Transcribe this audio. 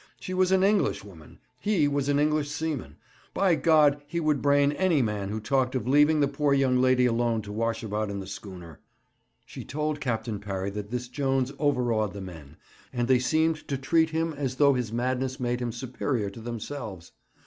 She was an Englishwoman; he was an English seaman. By God! he would brain any man who talked of leaving the poor young lady alone to wash about in the schooner. She told Captain Parry that this Jones overawed the men, and they seemed to treat him as though his madness made him superior to themselves.